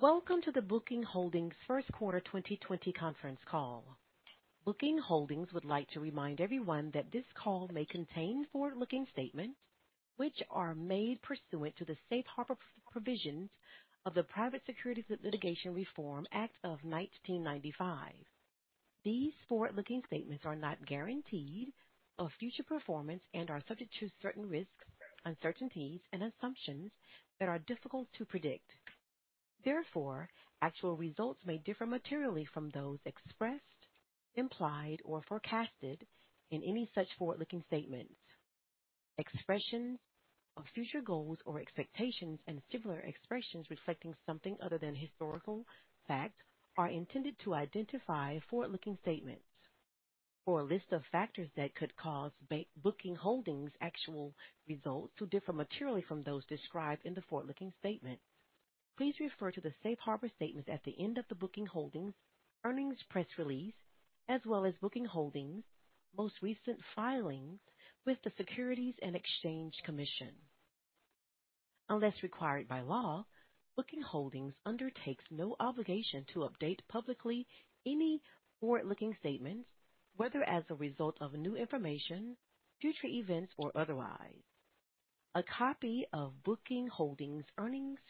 Welcome to the Booking Holdings first quarter 2020 conference call. Booking Holdings would like to remind everyone that this call may contain forward-looking statements, which are made pursuant to the safe harbor provisions of the Private Securities Litigation Reform Act of 1995. These forward-looking statements are not guarantees of future performance and are subject to certain risks, uncertainties, and assumptions that are difficult to predict. Therefore, actual results may differ materially from those expressed, implied, or forecasted in any such forward-looking statements. Expressions of future goals or expectations and similar expressions reflecting something other than historical facts are intended to identify forward-looking statements. For a list of factors that could cause Booking Holdings' actual results to differ materially from those described in the forward-looking statements, please refer to the safe harbor statements at the end of the Booking Holdings earnings press release, as well as Booking Holdings' most recent filings with the Securities and Exchange Commission. Unless required by law, Booking Holdings undertakes no obligation to update publicly any forward-looking statements, whether as a result of new information, future events, or otherwise. A copy of Booking Holdings earnings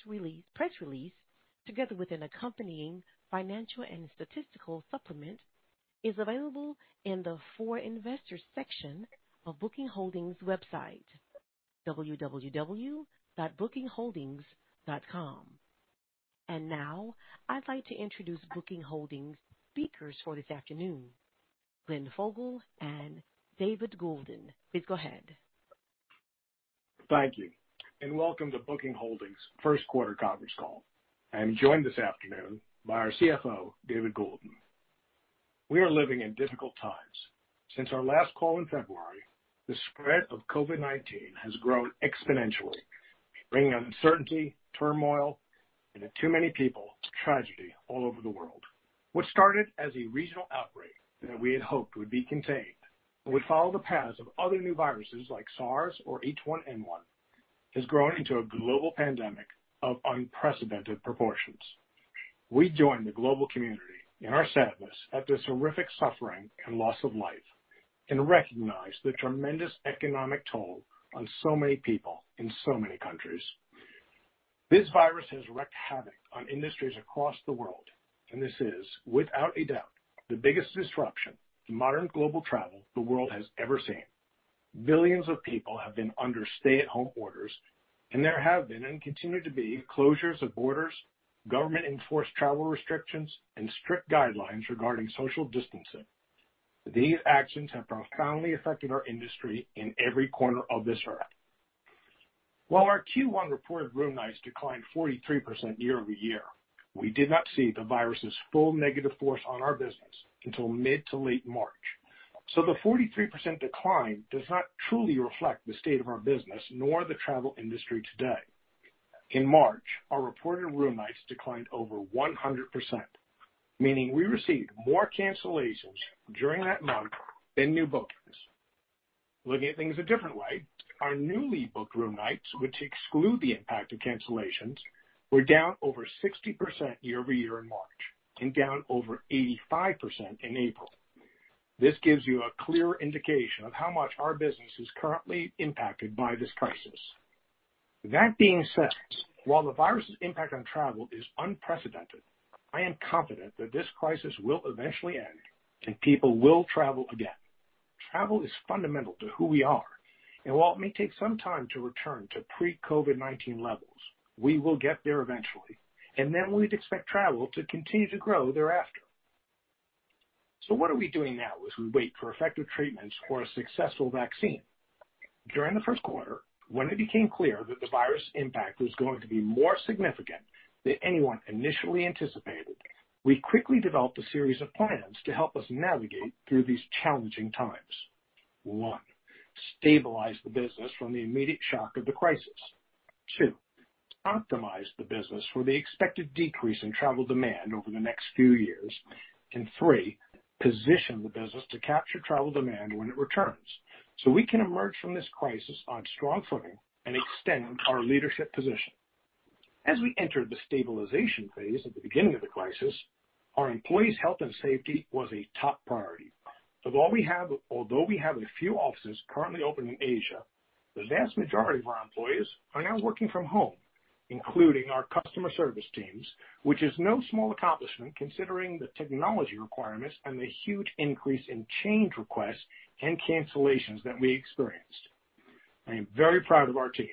press release, together with an accompanying financial and statistical supplement, is available in the For Investors section of Booking Holdings' website, www.bookingholdings.com. Now I'd like to introduce Booking Holdings speakers for this afternoon, Glenn Fogel and David Goulden. Please go ahead. Thank you and welcome to Booking Holdings' first quarter conference call. I am joined this afternoon by our CFO, David Goulden. We are living in difficult times. Since our last call in February, the spread of COVID-19 has grown exponentially, bringing uncertainty, turmoil, and to too many people, tragedy all over the world. What started as a regional outbreak that we had hoped would be contained and would follow the paths of other new viruses like SARS or H1N1, has grown into a global pandemic of unprecedented proportions. We join the global community in our sadness at this horrific suffering and loss of life and recognize the tremendous economic toll on so many people in so many countries. This virus has wreaked havoc on industries across the world, and this is without a doubt the biggest disruption to modern global travel the world has ever seen. Billions of people have been under stay-at-home orders, and there have been and continue to be closures of borders, government-enforced travel restrictions, and strict guidelines regarding social distancing. These actions have profoundly affected our industry in every corner of this earth. While our Q1 reported room nights declined 43% year-over-year, we did not see the virus's full negative force on our business until mid to late March. The 43% decline does not truly reflect the state of our business nor the travel industry today. In March, our reported room nights declined over 100%, meaning we received more cancellations during that month than new bookings. Looking at things a different way, our newly booked room nights, which exclude the impact of cancellations, were down over 60% year-over-year in March and down over 85% in April. This gives you a clear indication of how much our business is currently impacted by this crisis. While the virus's impact on travel is unprecedented, I am confident that this crisis will eventually end, and people will travel again. Travel is fundamental to who we are, and while it may take some time to return to pre-COVID-19 levels, we will get there eventually. We'd expect travel to continue to grow thereafter. What are we doing now as we wait for effective treatments or a successful vaccine? During the first quarter, when it became clear that the virus impact was going to be more significant than anyone initially anticipated, we quickly developed a series of plans to help us navigate through these challenging times. 1. Stabilize the business from the immediate shock of the crisis. Two, optimize the business for the expected decrease in travel demand over the next few years. Three, position the business to capture travel demand when it returns, so we can emerge from this crisis on strong footing and extend our leadership position. As we entered the stabilization phase at the beginning of the crisis, our employees' health and safety was a top priority. Although we have a few offices currently open in Asia, the vast majority of our employees are now working from home, including our customer service teams, which is no small accomplishment considering the technology requirements and the huge increase in change requests and cancellations that we experienced. I am very proud of our teams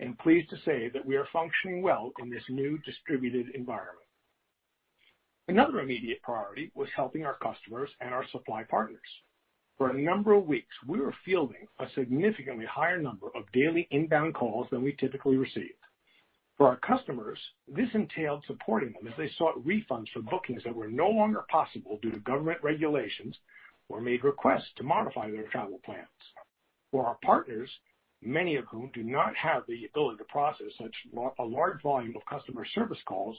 and pleased to say that we are functioning well in this new distributed environment. Another immediate priority was helping our customers and our supply partners. For a number of weeks, we were fielding a significantly higher number of daily inbound calls than we typically received. For our customers, this entailed supporting them as they sought refunds for bookings that were no longer possible due to government regulations or made requests to modify their travel plans. For our partners, many of whom do not have the ability to process such a large volume of customer service calls,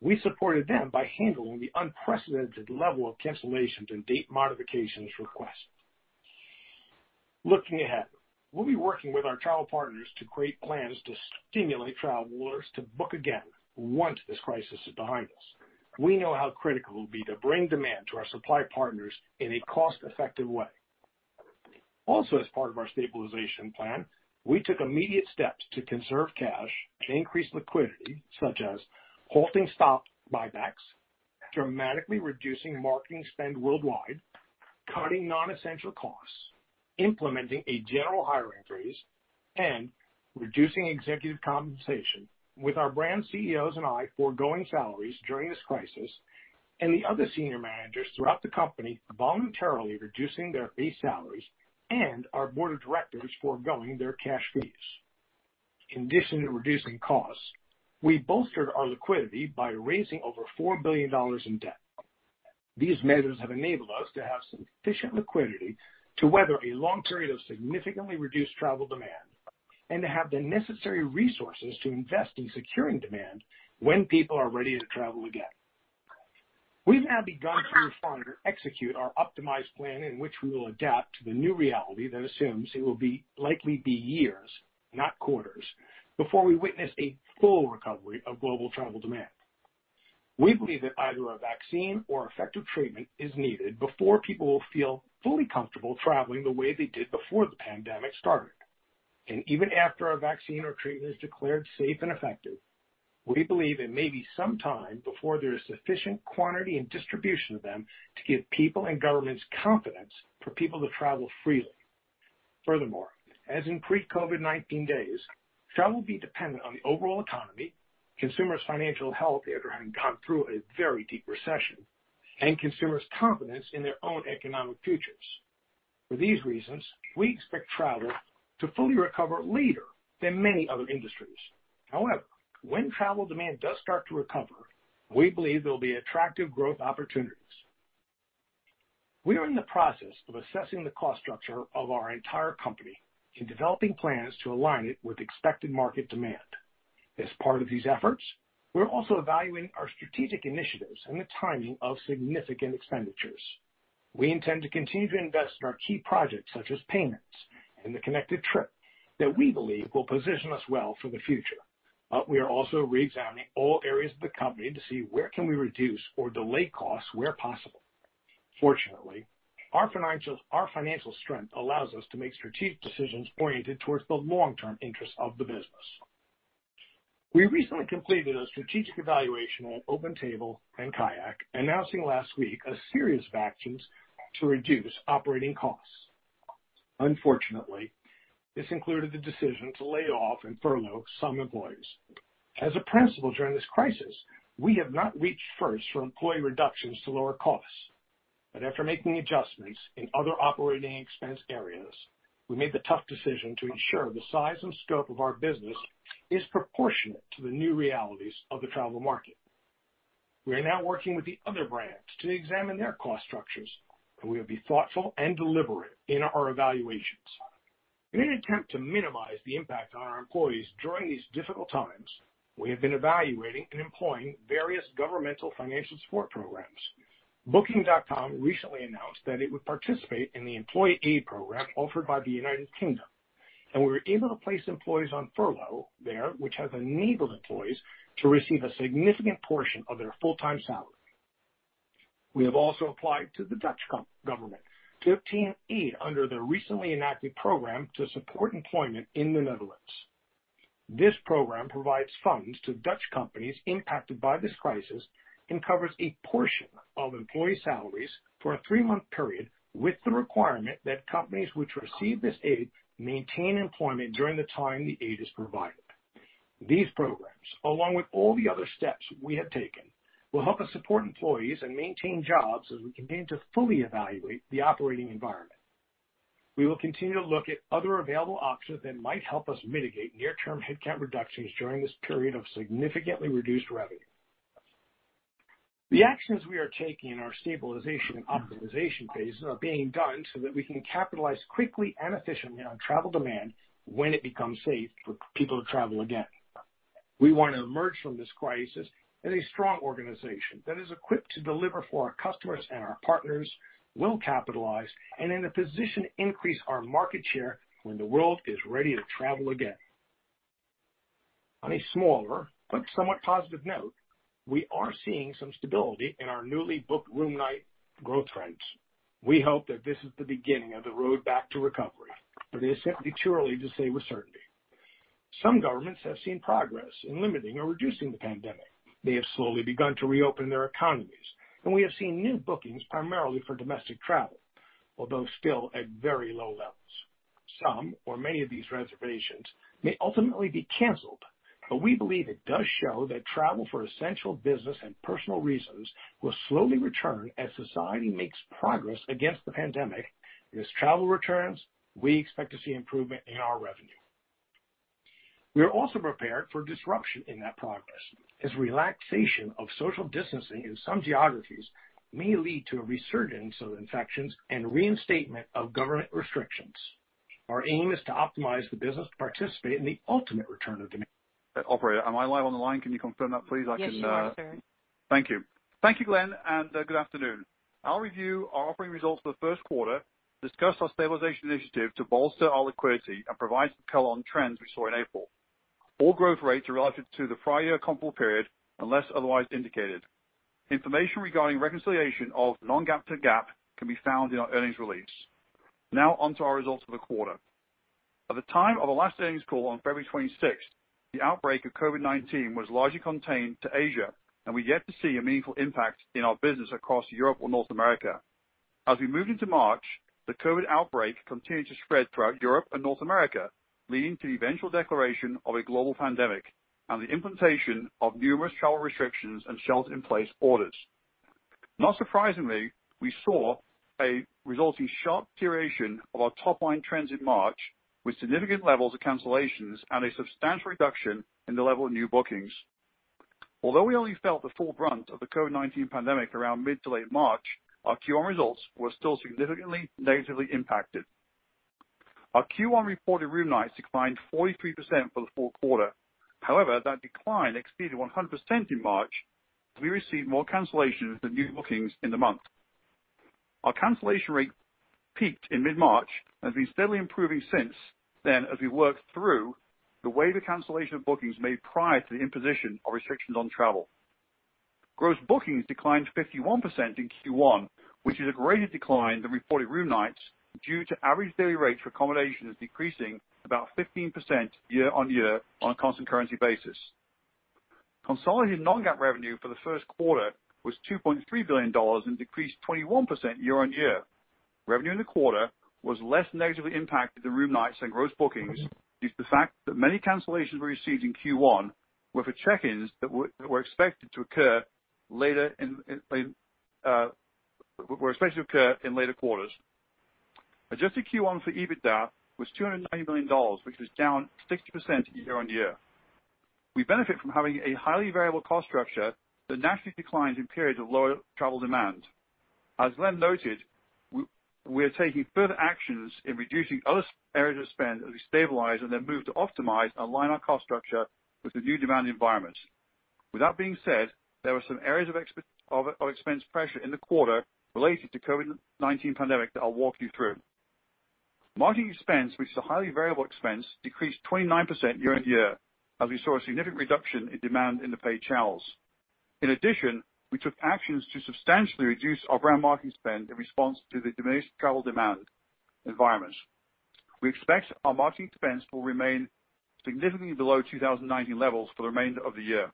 we supported them by handling the unprecedented level of cancellations and date modifications requests. Looking ahead, we'll be working with our travel partners to create plans to stimulate travelers to book again once this crisis is behind us. We know how critical it will be to bring demand to our supply partners in a cost-effective way. As part of our stabilization plan, we took immediate steps to conserve cash and increase liquidity, such as halting stock buybacks, dramatically reducing marketing spend worldwide, cutting non-essential costs, implementing a general hiring freeze, and reducing executive compensation with our brand CEOs and I foregoing salaries during this crisis, and the other senior managers throughout the company voluntarily reducing their base salaries, and our Board of Directors foregoing their cash fees. In addition to reducing costs, we bolstered our liquidity by raising over $4 billion in debt. These measures have enabled us to have sufficient liquidity to weather a long period of significantly reduced travel demand and to have the necessary resources to invest in securing demand when people are ready to travel again. We've now begun to respond or execute our optimized plan in which we will adapt to the new reality that assumes it will likely be years, not quarters, before we witness a full recovery of global travel demand. We believe that either a vaccine or effective treatment is needed before people will feel fully comfortable traveling the way they did before the pandemic started. Even after a vaccine or treatment is declared safe and effective, we believe it may be some time before there is sufficient quantity and distribution of them to give people and governments confidence for people to travel freely. Furthermore, as in pre-COVID-19 days, travel will be dependent on the overall economy, consumers' financial health after having gone through a very deep recession, and consumers' confidence in their own economic futures. For these reasons, we expect travel to fully recover later than many other industries. When travel demand does start to recover, we believe there will be attractive growth opportunities. We are in the process of assessing the cost structure of our entire company and developing plans to align it with expected market demand. As part of these efforts, we're also evaluating our strategic initiatives and the timing of significant expenditures. We intend to continue to invest in our key projects, such as payments and the connected trip, that we believe will position us well for the future. We are also re-examining all areas of the company to see where can we reduce or delay costs where possible. Fortunately, our financial strength allows us to make strategic decisions oriented towards the long-term interest of the business. We recently completed a strategic evaluation on OpenTable and KAYAK, announcing last week a series of actions to reduce operating costs. Unfortunately, this included the decision to lay off and furlough some employees. As a principle during this crisis, we have not reached first for employee reductions to lower costs, but after making adjustments in other operating expense areas, we made the tough decision to ensure the size and scope of our business is proportionate to the new realities of the travel market. We are now working with the other brands to examine their cost structures, and we will be thoughtful and deliberate in our evaluations. In an attempt to minimize the impact on our employees during these difficult times, we have been evaluating and employing various governmental financial support programs. Booking.com recently announced that it would participate in the employee aid program offered by the United Kingdom, and we were able to place employees on furlough there, which has enabled employees to receive a significant portion of their full-time salary. We have also applied to the Dutch government to obtain aid under their recently enacted program to support employment in the Netherlands. This program provides funds to Dutch companies impacted by this crisis and covers a portion of employee salaries for a three-month period with the requirement that companies which receive this aid maintain employment during the time the aid is provided. These programs, along with all the other steps we have taken, will help us support employees and maintain jobs as we continue to fully evaluate the operating environment. We will continue to look at other available options that might help us mitigate near-term headcount reductions during this period of significantly reduced revenue. The actions we are taking in our stabilization and optimization phase are being done so that we can capitalize quickly and efficiently on travel demand when it becomes safe for people to travel again. We want to emerge from this crisis as a strong organization that is equipped to deliver for our customers and our partners, well-capitalized, and in a position to increase our market share when the world is ready to travel again. On a smaller but somewhat positive note, we are seeing some stability in our newly booked room night growth trends. We hope that this is the beginning of the road back to recovery, but it is simply too early to say with certainty. Some governments have seen progress in limiting or reducing the pandemic. They have slowly begun to reopen their economies, and we have seen new bookings primarily for domestic travel, although still at very low levels. Some or many of these reservations may ultimately be canceled, we believe it does show that travel for essential business and personal reasons will slowly return as society makes progress against the pandemic. As travel returns, we expect to see improvement in our revenue. We are also prepared for disruption in that progress, as relaxation of social distancing in some geographies may lead to a resurgence of infections and reinstatement of government restrictions. Our aim is to optimize the business to participate in the ultimate return of demand. Operator, am I live on the line? Can you confirm that please? Yes, you are, sir. Thank you. Thank you, Glenn. Good afternoon. I'll review our operating results for the first quarter, discuss our stabilization initiative to bolster our liquidity, and provide some color on trends we saw in April. All growth rates are relative to the prior year comparable period, unless otherwise indicated. Information regarding reconciliation of non-GAAP to GAAP can be found in our earnings release. Onto our results for the quarter. At the time of our last earnings call on February 26th, the outbreak of COVID-19 was largely contained to Asia, and we're yet to see a meaningful impact in our business across Europe or North America. As we moved into March, the COVID outbreak continued to spread throughout Europe and North America, leading to the eventual declaration of a global pandemic and the implementation of numerous travel restrictions and shelter-in-place orders. Not surprisingly, we saw a resulting sharp correction of our top-line trends in March, with significant levels of cancellations and a substantial reduction in the level of new bookings. Although we only felt the full brunt of the COVID-19 pandemic around mid to late March, our Q1 results were still significantly negatively impacted. Our Q1 reported room nights declined 43% for the full quarter. However, that decline exceeded 100% in March, as we received more cancellations than new bookings in the month. Our cancellation rate peaked in mid-March and has been steadily improving since then as we worked through the wave of cancellation of bookings made prior to the imposition of restrictions on travel. Gross bookings declined 51% in Q1, which is a greater decline than reported room nights due to average daily rates for accommodations decreasing about 15% year-on-year on a constant currency basis. Consolidated non-GAAP revenue for the first quarter was $2.3 billion and decreased 21% year-on-year. Revenue in the quarter was less negatively impacted than room nights and gross bookings due to the fact that many cancellations we received in Q1 were for check-ins that were expected to occur in later quarters. Adjusted Q1 for EBITDA was $290 million, which was down 60% year-on-year. We benefit from having a highly variable cost structure that naturally declines in periods of lower travel demand. As Glenn noted, we are taking further actions in reducing other areas of spend as we stabilize and then move to optimize and align our cost structure with the new demand environments. With that being said, there were some areas of expense pressure in the quarter related to COVID-19 pandemic that I'll walk you through. Marketing expense, which is a highly variable expense, decreased 29% year-over-year as we saw a significant reduction in demand in the paid channels. We took actions to substantially reduce our brand marketing spend in response to the diminished travel demand environments. We expect our marketing expense will remain significantly below 2019 levels for the remainder of the year.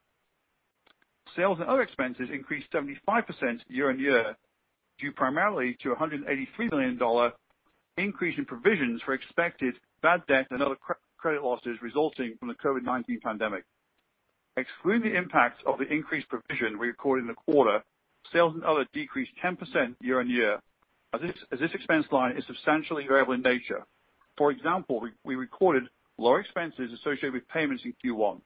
Sales and other expenses increased 75% year-over-year, due primarily to $183 million increase in provisions for expected bad debt and other credit losses resulting from the COVID-19 pandemic. Excluding the impact of the increased provision we recorded in the quarter, sales and other decreased 10% year-over-year as this expense line is substantially variable in nature. For example, we recorded lower expenses associated with payments in Q1.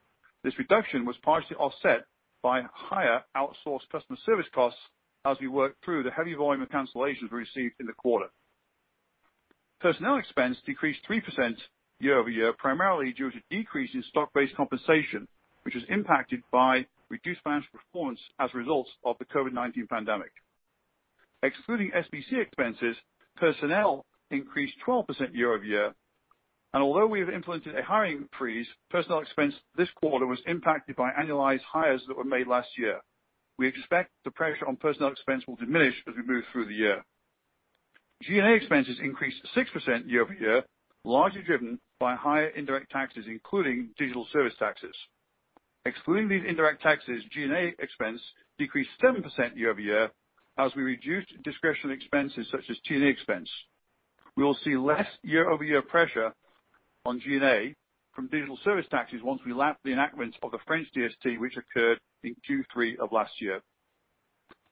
This reduction was partially offset by higher outsourced customer service costs as we worked through the heavy volume of cancellations we received in the quarter. Personnel expense decreased 3% year-over-year, primarily due to decrease in stock-based compensation, which was impacted by reduced financial performance as a result of the COVID-19 pandemic. Excluding SBC expenses, personnel increased 12% year-over-year, and although we have implemented a hiring freeze, personnel expense this quarter was impacted by annualized hires that were made last year. We expect the pressure on personnel expense will diminish as we move through the year. G&A expenses increased 6% year-over-year, largely driven by higher indirect taxes, including Digital Services Taxes. Excluding these indirect taxes, G&A expense decreased 7% year-over-year as we reduced discretionary expenses such as G&A expense. We will see less year-over-year pressure on G&A from digital services taxes once we lap the enactments of the French DST, which occurred in Q3 of last year.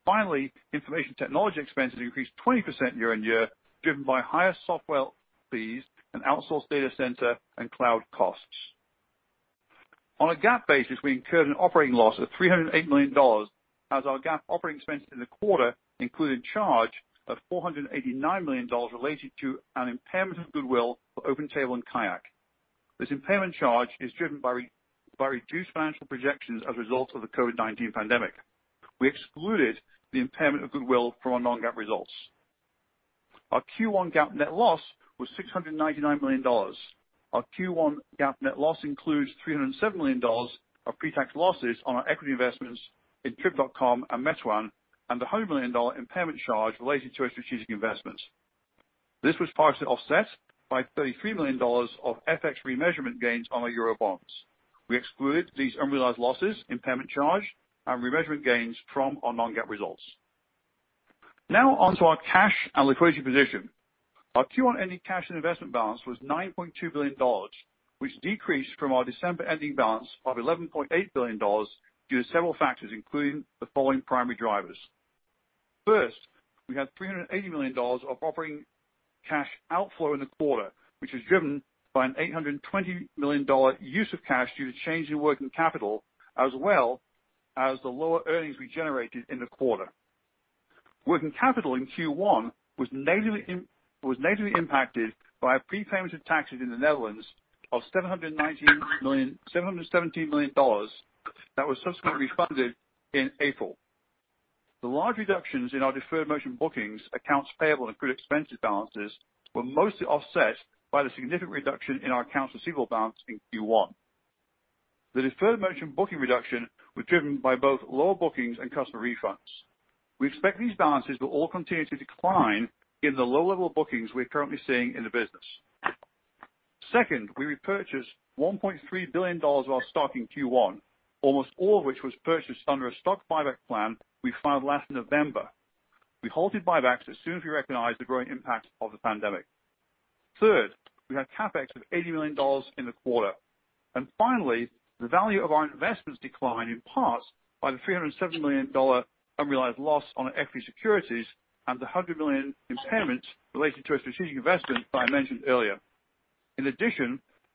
Finally, information technology expenses increased 20% year on year, driven by higher software fees and outsourced data center and cloud costs. On a GAAP basis, we incurred an operating loss of $308 million, as our GAAP operating expense in the quarter included charge of $489 million related to an impairment of goodwill for OpenTable and KAYAK. This impairment charge is driven by reduced financial projections as a result of the COVID-19 pandemic. We excluded the impairment of goodwill from our non-GAAP results. Our Q1 GAAP net loss was $699 million. Our Q1 GAAP net loss includes $307 million of pre-tax losses on our equity investments in Trip.com and Meituan, and the $100 million impairment charge related to our strategic investments. This was partially offset by $33 million of FX remeasurement gains on our Euro bonds. We excluded these unrealized losses, impairment charge, and remeasurement gains from our non-GAAP results. Onto our cash and liquidity position. Our Q1 ending cash and investment balance was $9.2 billion, which decreased from our December ending balance of $11.8 billion due to several factors, including the following primary drivers. We had $380 million of operating cash outflow in the quarter, which was driven by an $820 million use of cash due to change in working capital, as well as the lower earnings we generated in the quarter. Working capital in Q1 was negatively impacted by our prepayment of taxes in the Netherlands of $717 million that was subsequently refunded in April. The large reductions in our deferred merchant bookings, accounts payable, and accrued expenses balances were mostly offset by the significant reduction in our accounts receivable balance in Q1. The deferred merchant booking reduction was driven by both lower bookings and customer refunds. We expect these balances will all continue to decline in the low-level bookings we're currently seeing in the business. Second, we repurchased $1.3 billion of our stock in Q1, almost all of which was purchased under a stock buyback plan we filed last November. We halted buybacks as soon as we recognized the growing impact of the pandemic. Third, we had CapEx of $80 million in the quarter. Finally, the value of our investments declined in part by the $370 million unrealized loss on equity securities and the $100 million impairment related to our strategic investment that I mentioned earlier.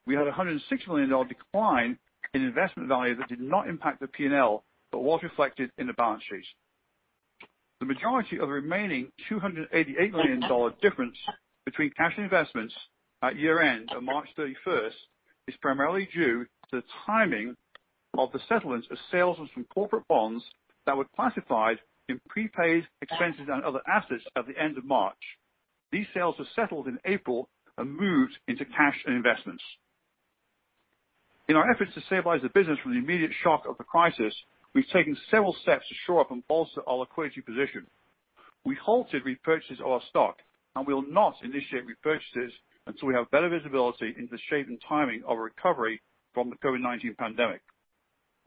We had $160 million decline in investment value that did not impact the P&L, but was reflected in the balance sheet. The majority of the remaining $288 million difference between cash and investments at year-end, on March 31st, is primarily due to the timing of the settlements of sales from corporate bonds that were classified in prepaid expenses and other assets at the end of March. These sales were settled in April and moved into cash and investments. In our efforts to stabilize the business from the immediate shock of the crisis, we've taken several steps to shore up and bolster our liquidity position. We halted repurchases of our stock, we will not initiate repurchases until we have better visibility into the shape and timing of a recovery from the COVID-19 pandemic.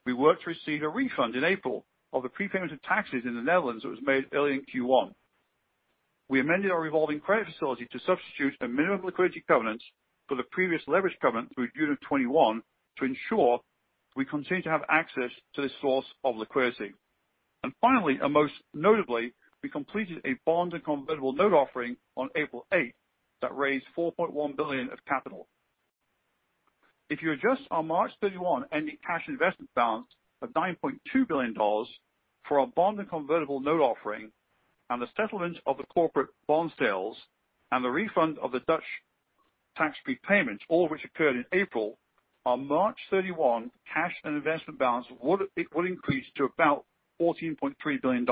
We worked to receive a refund in April of the prepayment of taxes in the Netherlands that was made early in Q1. We amended our revolving credit facility to substitute a minimum liquidity covenant for the previous leverage covenant through June of 2021 to ensure we continue to have access to this source of liquidity. Finally, and most notably, we completed a bond and convertible note offering on April 8th that raised $4.1 billion of capital. If you adjust our March 31 ending cash and investments balance of $9.2 billion for our bond and convertible note offering and the settlement of the corporate bond sales and the refund of the Dutch tax prepayments, all of which occurred in April, our March 31 cash and investment balance would increase to about $14.3 billion.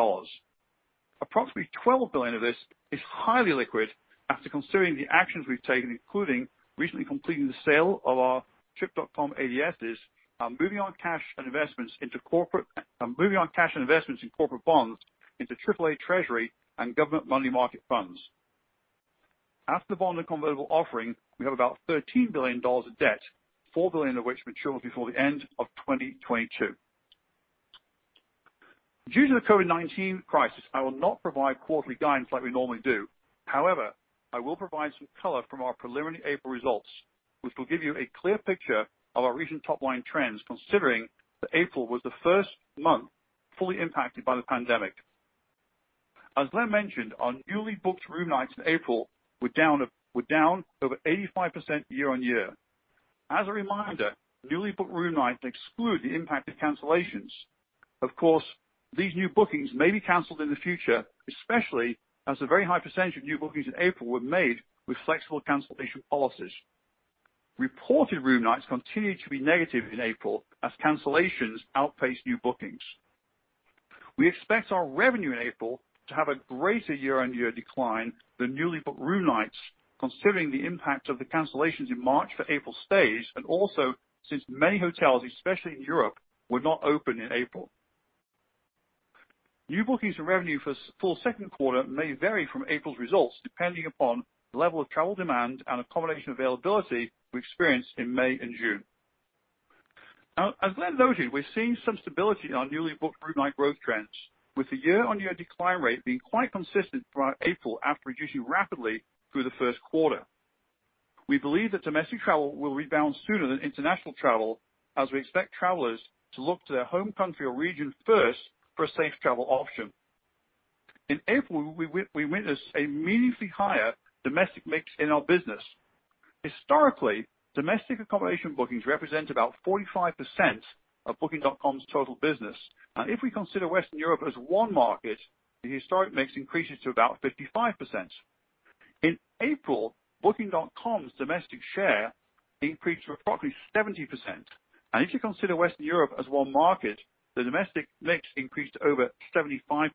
Approximately $12 billion of this is highly liquid after considering the actions we've taken, including recently completing the sale of our Trip.com ADSs and moving our cash and investments in corporate bonds into AAA Treasury and government money market funds. After the bond and convertible offering, we have about $13 billion of debt, $4 billion of which matures before the end of 2022. Due to the COVID-19 crisis, I will not provide quarterly guidance like we normally do. However, I will provide some color from our preliminary April results, which will give you a clear picture of our recent top-line trends, considering that April was the first month fully impacted by the pandemic. As Glenn mentioned, our newly booked room nights in April were down over 85% year-on-year. As a reminder, newly booked room nights exclude the impact of cancellations. Of course, these new bookings may be canceled in the future, especially as a very high percentage of new bookings in April were made with flexible cancellation policies. Reported room nights continued to be negative in April as cancellations outpaced new bookings. We expect our revenue in April to have a greater year-on-year decline than newly booked room nights, considering the impact of the cancellations in March for April stays, and also since many hotels, especially in Europe, were not open in April. New bookings and revenue for second quarter may vary from April's results, depending upon the level of travel demand and accommodation availability we experience in May and June. As Glenn noted, we're seeing some stability in our newly booked room night growth trends, with the year-on-year decline rate being quite consistent throughout April after reducing rapidly through the first quarter. We believe that domestic travel will rebound sooner than international travel, as we expect travelers to look to their home country or region first for a safe travel option. In April, we witnessed a meaningfully higher domestic mix in our business. Historically, domestic accommodation bookings represent about 45% of Booking.com's total business. If we consider Western Europe as one market, the historic mix increases to about 55%. In April, Booking.com's domestic share increased to approximately 70%, and if you consider Western Europe as one market, the domestic mix increased to over 75%.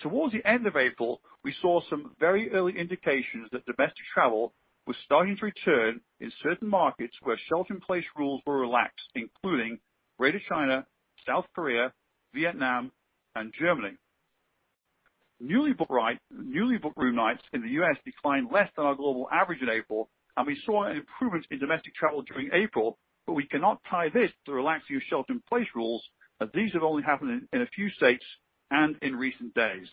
Towards the end of April, we saw some very early indications that domestic travel was starting to return in certain markets where shelter-in-place rules were relaxed, including Greater China, South Korea, Vietnam, and Germany. Newly booked room nights in the U.S. declined less than our global average in April, and we saw an improvement in domestic travel during April, but we cannot tie this to the relaxed U.S. shelter-in-place rules, as these have only happened in a few states and in recent days.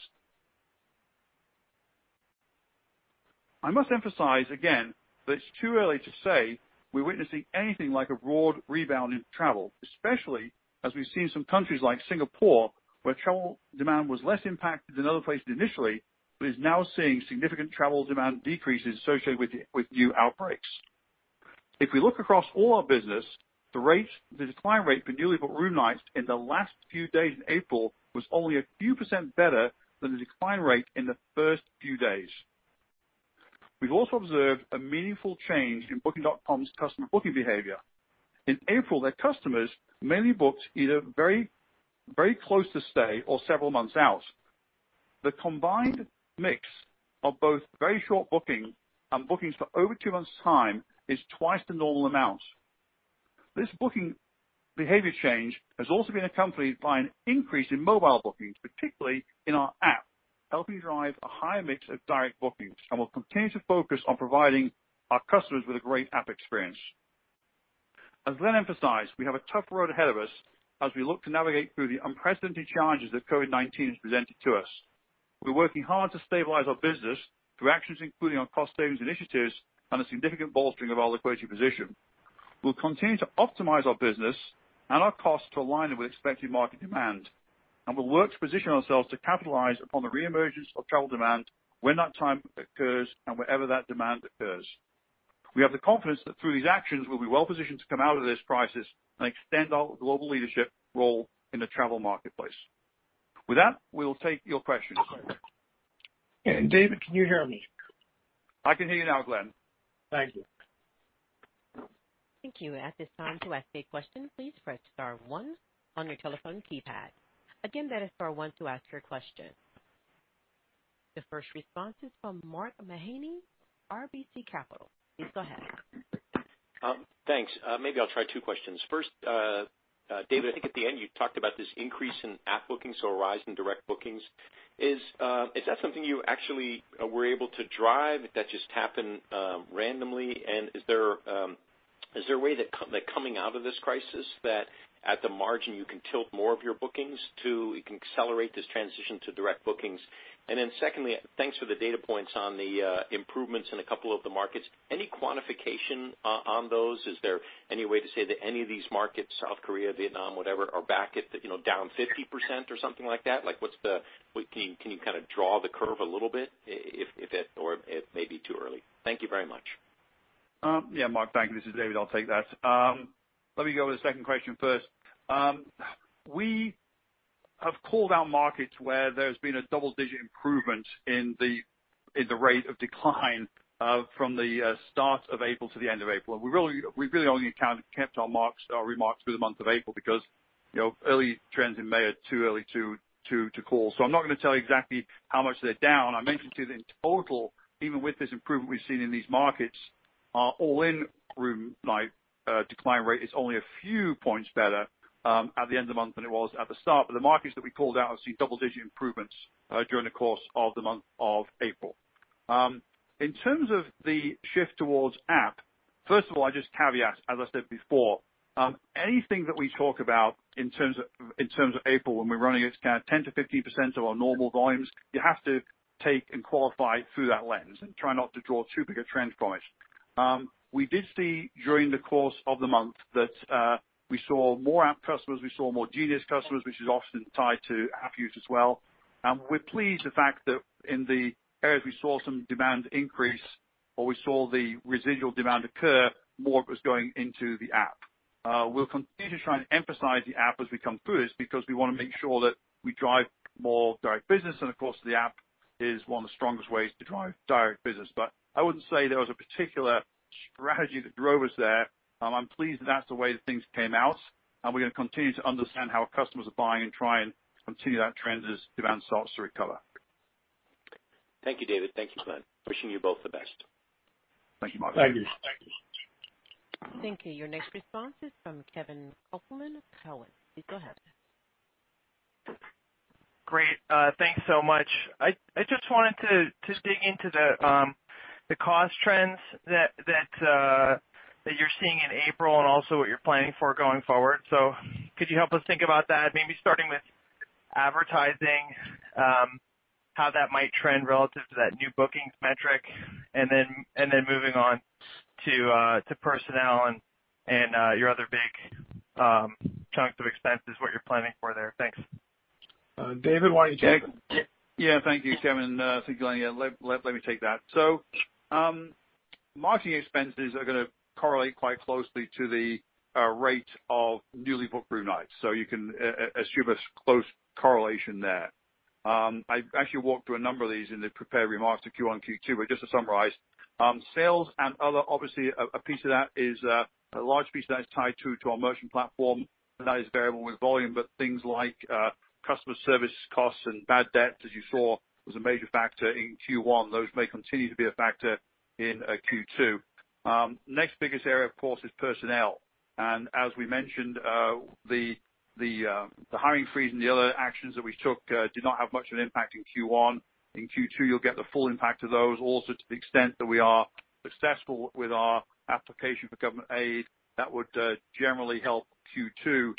I must emphasize again that it's too early to say we're witnessing anything like a broad rebound in travel, especially as we've seen some countries like Singapore, where travel demand was less impacted than other places initially, but is now seeing significant travel demand decreases associated with new outbreaks. If we look across all our business, the decline rate for newly booked room nights in the last few days in April was only a few percent better than the decline rate in the first few days. We've also observed a meaningful change in Booking.com's customer booking behavior. In April, their customers mainly booked either very close to stay or several months out. The combined mix of both very short booking and bookings for over two months' time is twice the normal amount. This booking behavior change has also been accompanied by an increase in mobile bookings, particularly in our app, helping drive a higher mix of direct bookings. We'll continue to focus on providing our customers with a great app experience. As Glenn emphasized, we have a tough road ahead of us as we look to navigate through the unprecedented challenges that COVID-19 has presented to us. We're working hard to stabilize our business through actions including our cost savings initiatives and a significant bolstering of our liquidity position. We'll continue to optimize our business and our cost to align it with expected market demand. We'll work to position ourselves to capitalize upon the re-emergence of travel demand when that time occurs and wherever that demand occurs. We have the confidence that through these actions, we'll be well-positioned to come out of this crisis and extend our global leadership role in the travel marketplace. With that, we will take your questions. David, can you hear me? I can hear you now, Glenn. Thank you. Thank you. At this time, to ask a question, please press star one on your telephone keypad. Again, that is star one to ask your question. The first response is from Mark Mahaney, RBC Capital. Please go ahead. Thanks. Maybe I'll try two questions. First, David, I think at the end you talked about this increase in app bookings, so a rise in direct bookings. Is that something you actually were able to drive, did that just happen randomly? Is there a way that coming out of this crisis that at the margin you can tilt more of your bookings to accelerate this transition to direct bookings? Secondly, thanks for the data points on the improvements in a couple of the markets. Any quantification on those? Is there any way to say that any of these markets, South Korea, Vietnam, whatever, are back at down 50% or something like that? Can you kind of draw the curve a little bit, or it may be too early? Thank you very much. Mark, thank you. This is David. I'll take that. Let me go with the second question first. We have called out markets where there's been a double-digit improvement in the rate of decline from the start of April to the end of April. We really only kept our remarks for the month of April because early trends in May are too early to call. I'm not going to tell you exactly how much they're down. I mentioned to you that in total, even with this improvement we've seen in these markets, our all-in room night decline rate is only a few points better at the end of the month than it was at the start. The markets that we called out have seen double-digit improvements during the course of the month of April. In terms of the shift towards app, first of all, I just caveat, as I said before, anything that we talk about in terms of April when we're running at kind of 10%-15% of our normal volumes, you have to take and qualify through that lens and try not to draw too big a trend from it. We did see during the course of the month that we saw more app customers, we saw more Genius customers, which is often tied to app use as well. We're pleased the fact that in the areas we saw some demand increase, or we saw the residual demand occur, more was going into the app. We'll continue to try and emphasize the app as we come through this because we want to make sure that we drive more direct business. Of course, the app is one of the strongest ways to drive direct business. I wouldn't say there was a particular strategy that drove us there. I'm pleased that that's the way that things came out, and we're going to continue to understand how our customers are buying and try and continue that trend as demand starts to recover. Thank you, David. Thank you, Glenn. Wishing you both the best. Thank you, Mark. Thank you. Thank you. Your next response is from Kevin Kopelman, Cowen. Please go ahead. Great. Thanks so much. I just wanted to dig into the cost trends that you're seeing in April and also what you're planning for going forward. Could you help us think about that, maybe starting with advertising, how that might trend relative to that new bookings metric, and then moving on to personnel and your other big chunks of expenses, what you're planning for there. Thanks. David, why don't you take it? Thank you, Kevin. Thank you, Glenn. Let me take that. Margin expenses are going to correlate quite closely to the rate of newly booked room nights. You can assume a close correlation there. I actually walked through a number of these in the prepared remarks for Q1 and Q2, but just to summarize, sales and other, obviously, a large piece of that is tied to our merchant platform, and that is variable with volume. Things like customer service costs and bad debt, as you saw, was a major factor in Q1. Those may continue to be a factor in Q2. Next biggest area, of course, is personnel. As we mentioned, the hiring freeze and the other actions that we took did not have much of an impact in Q1. In Q2, you'll get the full impact of those. To the extent that we are successful with our application for government aid, that would generally help Q2.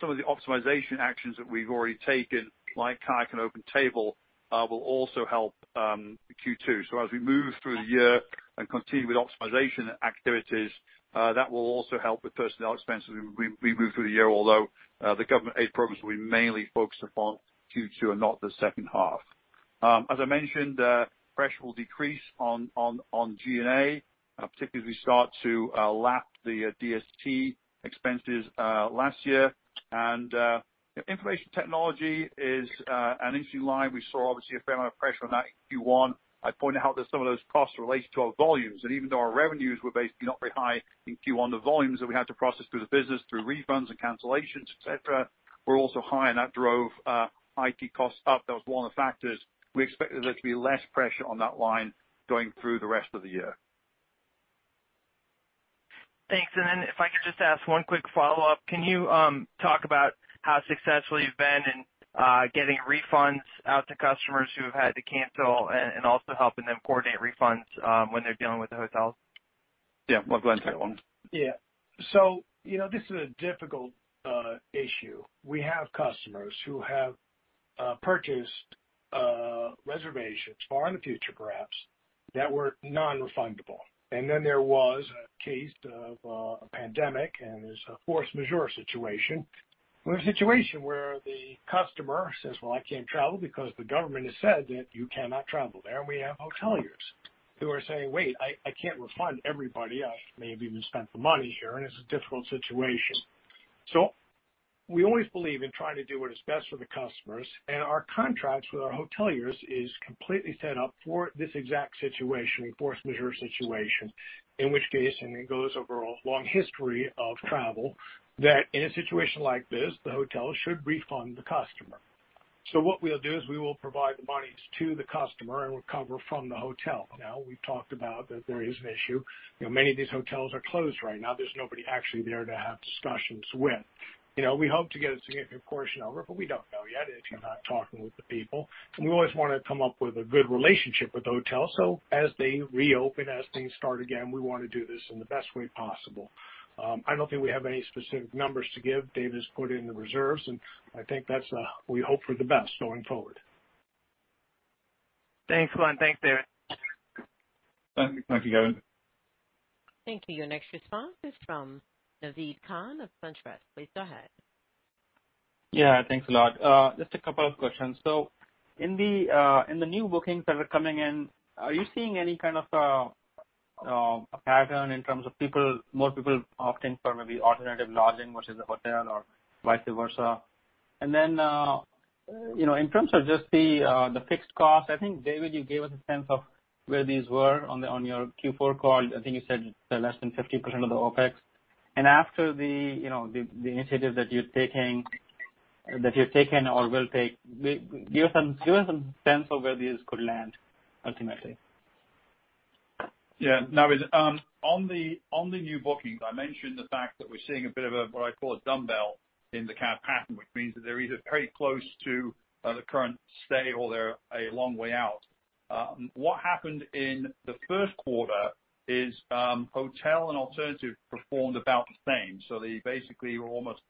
Some of the optimization actions that we've already taken, like KAYAK and OpenTable, will also help Q2. As we move through the year and continue with optimization activities, that will also help with personnel expenses as we move through the year. Although the government aid programs will be mainly focused upon Q2 and not the second half. As I mentioned, pressure will decrease on G&A, particularly as we start to lap the DST expenses last year. Information technology is an interesting line. We saw, obviously, a fair amount of pressure on that in Q1. I pointed out that some of those costs relate to our volumes. Even though our revenues were basically not very high in Q1, the volumes that we had to process through the business through refunds and cancellations, et cetera, were also high, and that drove IT costs up. That was one of the factors. We expected there to be less pressure on that line going through the rest of the year. Thanks. If I could just ask one quick follow-up. Can you talk about how successful you've been in getting refunds out to customers who have had to cancel and also helping them coordinate refunds when they're dealing with the hotels? Yeah. Well, Glenn, take that one. Yeah. This is a difficult issue. We have customers who have purchased reservations far in the future, perhaps, that were non-refundable. There was a case of a pandemic, there's a force majeure situation. We have a situation where the customer says, "Well, I can't travel because the government has said that you cannot travel there." We have hoteliers who are saying, "Wait, I can't refund everybody. I maybe even spent the money here," and it's a difficult situation. We always believe in trying to do what is best for the customers, our contracts with our hoteliers is completely set up for this exact situation, a force majeure situation. In which case, it goes over a long history of travel, that in a situation like this, the hotel should refund the customer. What we'll do is we will provide the monies to the customer and recover from the hotel. We've talked about that there is an issue. Many of these hotels are closed right now. There's nobody actually there to have discussions with. We hope to get a significant portion of it, but we don't know yet if you're not talking with the people. We always want to come up with a good relationship with the hotels. As they reopen, as things start again, we want to do this in the best way possible. I don't think we have any specific numbers to give. David's put it in the reserves, and I think that's. We hope for the best going forward. Thanks, Glenn. Thanks, David. Thank you, Kevin. Thank you. Your next response is from Naved Khan of SunTrust. Please go ahead. Thanks a lot. Just a couple of questions. In the new bookings that are coming in, are you seeing any kind of a pattern in terms of more people opting for maybe alternative lodging versus a hotel or vice versa? In terms of just the fixed costs, I think, David, you gave us a sense of where these were on your Q4 call. I think you said less than 50% of the OpEx. After the initiative that you're taking or will take, give us some sense of where these could land ultimately. Yeah. Naved, on the new bookings, I mentioned the fact that we're seeing a bit of a, what I call, a dumbbell in the kind of pattern, which means that they're either very close to the current stay or they're a long way out. What happened in the first quarter is hotel and alternative performed about the same. They basically were almost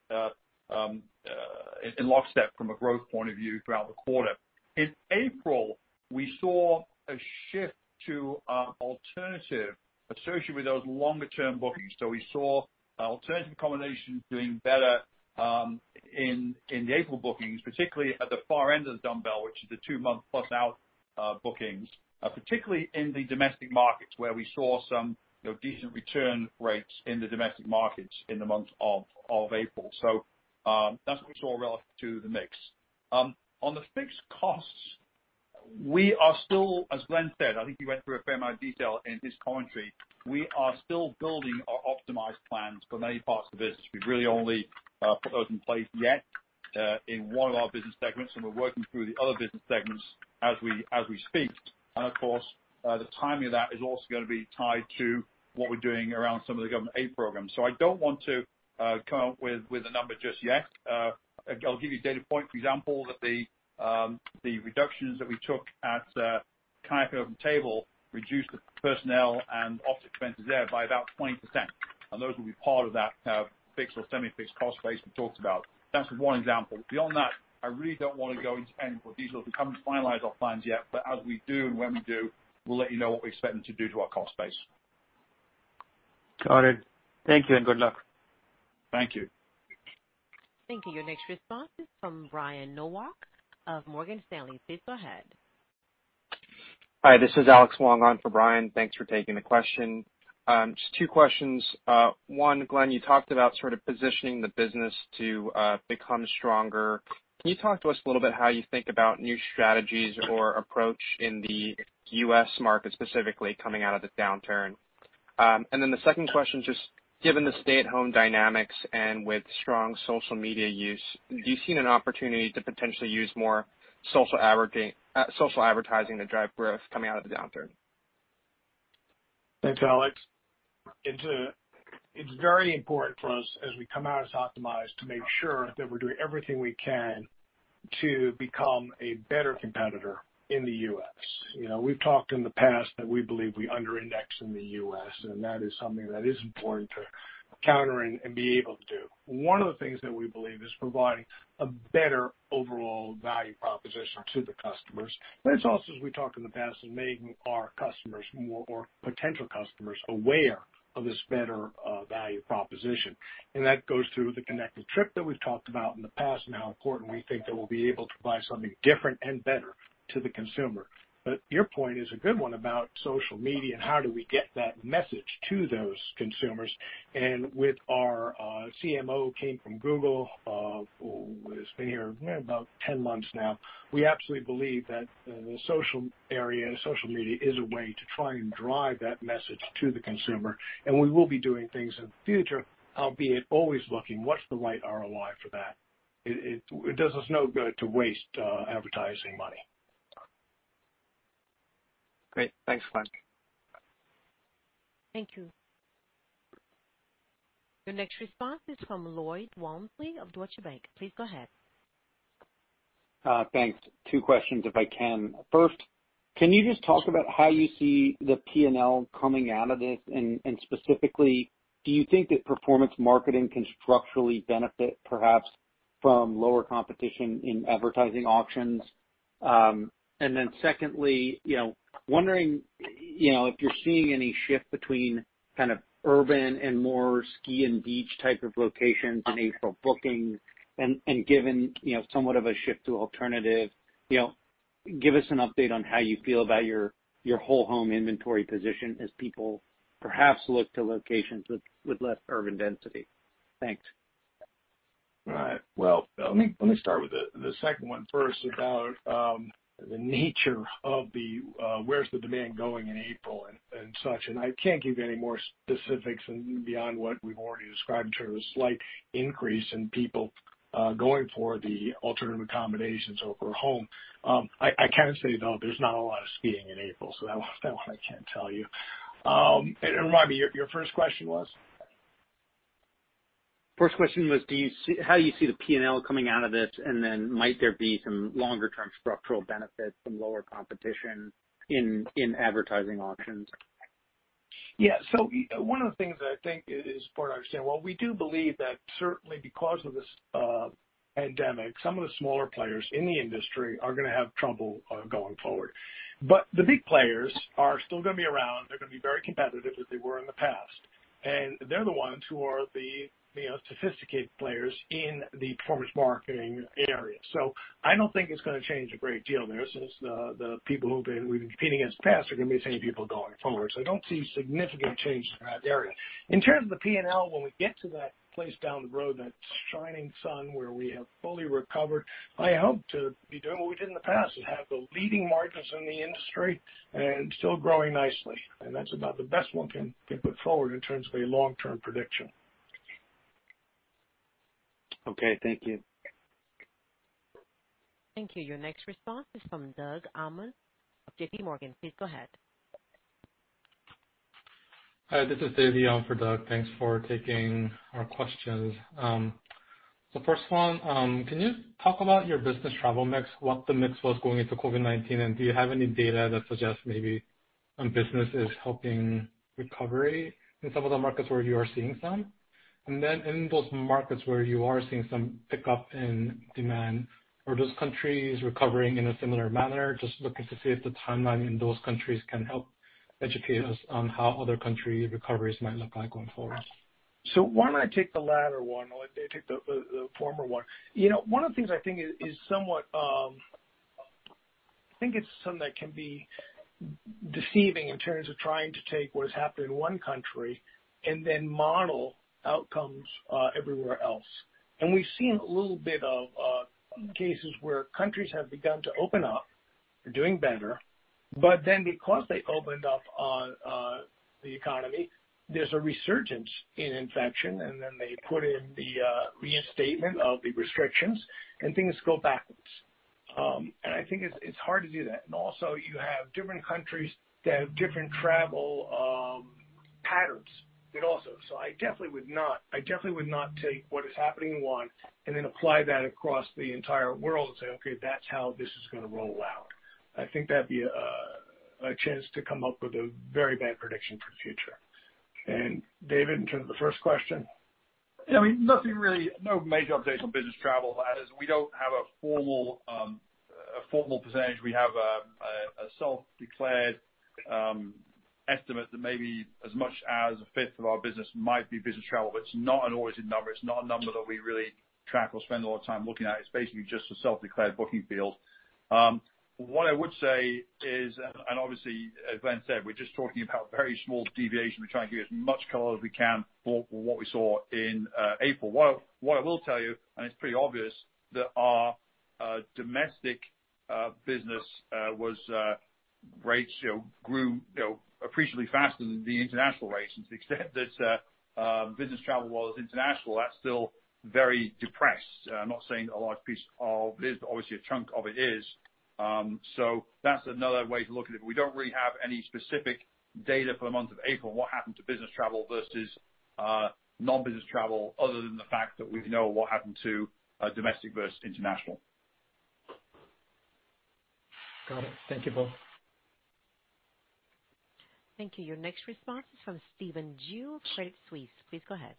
in lockstep from a growth point of view throughout the quarter. In April, we saw a shift to alternative associated with those longer-term bookings. We saw alternative accommodations doing better in the April bookings, particularly at the far end of the dumbbell, which is the two-month-plus-out bookings, particularly in the domestic markets, where we saw some decent return rates in the domestic markets in the month of April. That's what we saw relative to the mix. On the fixed costs, we are still, as Glenn said, I think he went through a fair amount of detail in his commentary. We are still building our optimized plans for many parts of the business. We've really only put those in place yet in one of our business segments, and we're working through the other business segments as we speak. Of course, the timing of that is also going to be tied to what we're doing around some of the government aid programs. I don't want to come up with a number just yet. I'll give you a data point, for example, that the reductions that we took at KAYAK and OpenTable reduced the personnel and OpEx there by about 20%, and those will be part of that fixed or semi-fixed cost base we talked about. That's one example. Beyond that, I really don't want to go into any more detail. We haven't finalized our plans yet, but as we do and when we do, we'll let you know what we expect them to do to our cost base. Got it. Thank you and good luck. Thank you. Thank you. Your next response is from Brian Nowak of Morgan Stanley. Please go ahead. Hi, this is Alex Wang on for Brian. Thanks for taking the question. Just two questions. One, Glenn, you talked about sort of positioning the business to become stronger. Can you talk to us a little bit how you think about new strategies or approach in the U.S. market, specifically coming out of this downturn? The second question, just given the stay-at-home dynamics and with strong social media use, do you see an opportunity to potentially use more social advertising to drive growth coming out of the downturn? Thanks, Alex. It's very important for us as we come out as optimized to make sure that we're doing everything we can to become a better competitor in the U.S. We've talked in the past that we believe we under-index in the U.S., that is something that is important to counter and be able to do. One of the things that we believe is providing a better overall value proposition to the customers. It's also, as we talked in the past, making our customers more, or potential customers, aware of this better value proposition. That goes through the connected trip that we've talked about in the past and how important we think that we'll be able to provide something different and better to the consumer. Your point is a good one about social media and how do we get that message to those consumers, and with our CMO, came from Google, has been here about 10 months now. We absolutely believe that the social area, social media, is a way to try and drive that message to the consumer, and we will be doing things in the future, albeit always looking, what's the right ROI for that? It does us no good to waste advertising money. Great. Thanks, Glenn. Thank you. Your next response is from Lloyd Walmsley of Deutsche Bank. Please go ahead. Thanks. Two questions, if I can. First, can you just talk about how you see the P&L coming out of this, specifically, do you think that performance marketing can structurally benefit perhaps from lower competition in advertising auctions? Secondly, wondering if you're seeing any shift between kind of urban and more ski and beach type of locations in April bookings and given somewhat of a shift to alternative, give us an update on how you feel about your whole home inventory position as people perhaps look to locations with less urban density. Thanks. Right. Well, let me start with the second one first about the nature of where's the demand going in April and such. I can't give you any more specifics beyond what we've already described in terms of slight increase in people going for the alternative accommodations over a home. I can say, though, there's not a lot of skiing in April. That one I can't tell you. Remind me, your first question was? First question was how you see the P&L coming out of this, and then might there be some longer-term structural benefits from lower competition in advertising auctions? Yeah. One of the things that I think is important to understand, while we do believe that certainly because of this pandemic, some of the smaller players in the industry are going to have trouble going forward. The big players are still going to be around. They're going to be very competitive as they were in the past, and they're the ones who are the sophisticated players in the performance marketing area. I don't think it's going to change a great deal there, since the people who we've been competing against in the past are going to be the same people going forward. I don't see significant change in that area. In terms of the P&L, when we get to that place down the road, that shining sun where we have fully recovered, I hope to be doing what we did in the past and have the leading margins in the industry and still growing nicely. That's about the best one can put forward in terms of a long-term prediction. Okay. Thank you. Thank you. Your next response is from Doug Anmuth of JPMorgan. Please go ahead. Hi, this is Dae Lee on for Doug. Thanks for taking our questions. First one, can you talk about your business travel mix, what the mix was going into COVID-19, and do you have any data that suggests maybe business is helping recovery in some of the markets where you are seeing some? In those markets where you are seeing some pickup in demand, are those countries recovering in a similar manner? Just looking to see if the timeline in those countries can help educate us on how other country recoveries might look like going forward. Why don't I take the latter one, while David take the former one. One of the things I think is somewhat I think it's something that can be deceiving in terms of trying to take what has happened in one country and then model outcomes everywhere else. We've seen a little bit of cases where countries have begun to open up. They're doing better. Because they opened up the economy, there's a resurgence in infection, and then they put in the reinstatement of the restrictions and things go backwards. I think it's hard to do that. Also, you have different countries that have different travel patterns also. I definitely would not take what is happening in one and then apply that across the entire world and say, "Okay, that's how this is going to roll out." I think that'd be a chance to come up with a very bad prediction for the future. David, in terms of the first question? Nothing really. No major updates on business travel. We don't have a formal percentage. We have a self-declared estimate that maybe as much as a fifth of our business might be business travel, but it's not an audited number. It's not a number that we really track or spend a lot of time looking at. It's basically just a self-declared booking field. What I would say is, obviously, as Glenn said, we're just talking about very small deviation. We're trying to give you as much color as we can for what we saw in April. What I will tell you, it's pretty obvious, that our domestic business rates grew appreciably faster than the international rates since the extent that business travel was international, that's still very depressed. I'm not saying a large piece of it is, obviously a chunk of it is. That's another way to look at it, but we don't really have any specific data for the month of April on what happened to business travel versus non-business travel, other than the fact that we know what happened to domestic versus international. Got it. Thank you both. Thank you. Your next response is from Stephen Ju, Credit Suisse. Please go ahead.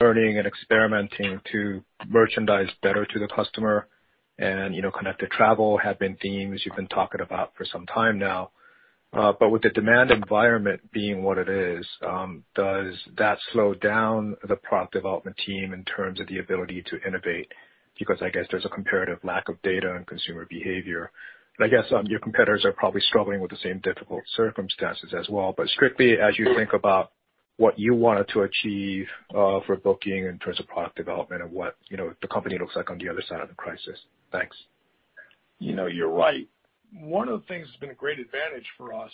Learning and experimenting to merchandise better to the customer and connected trip have been themes you've been talking about for some time now. With the demand environment being what it is, does that slow down the product development team in terms of the ability to innovate? I guess there's a comparative lack of data on consumer behavior. I guess your competitors are probably struggling with the same difficult circumstances as well. Strictly as you think about what you wanted to achieve for Booking in terms of product development and what the company looks like on the other side of the crisis? Thanks. You know, you're right. One of the things that's been a great advantage for us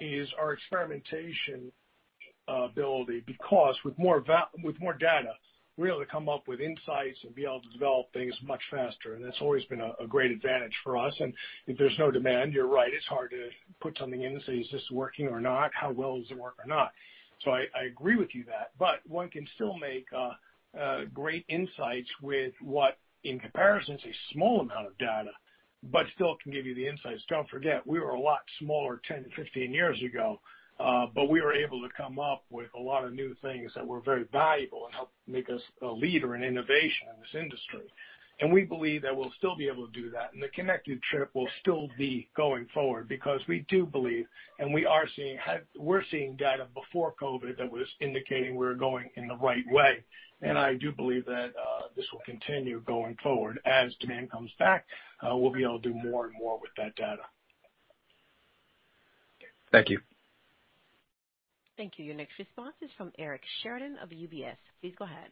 is our experimentation ability, because with more data, we're able to come up with insights and be able to develop things much faster. That's always been a great advantage for us. If there's no demand, you're right, it's hard to put something in and say, "Is this working or not? How well does it work or not?" I agree with you that, but one can still make great insights with what, in comparison, is a small amount of data, but still can give you the insights. Don't forget, we were a lot smaller 10 to 15 years ago, but we were able to come up with a lot of new things that were very valuable and helped make us a leader in innovation in this industry. We believe that we'll still be able to do that, and the connected trip will still be going forward because we do believe, and we're seeing data before COVID that was indicating we were going in the right way. I do believe that this will continue going forward. As demand comes back, we'll be able to do more and more with that data. Thank you. Thank you. Your next response is from Eric Sheridan of UBS. Please go ahead.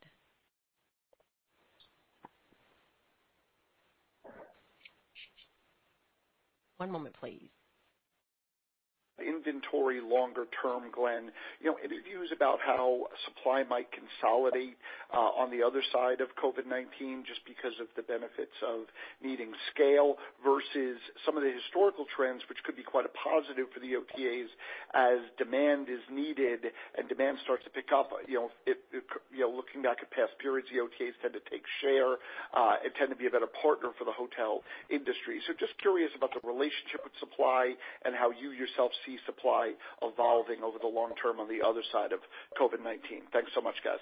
One moment, please. Inventory longer term, Glenn. Interviews about how supply might consolidate on the other side of COVID-19 just because of the benefits of needing scale versus some of the historical trends, which could be quite a positive for the OTAs as demand is needed and demand starts to pick up. Looking back at past periods, the OTAs tend to take share and tend to be a better partner for the hotel industry. Just curious about the relationship with supply and how you yourself see supply evolving over the long term on the other side of COVID-19. Thanks so much, guys.